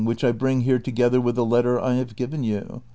which I bring here together with the letter I have given you.